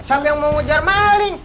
sambil mau ngejar malik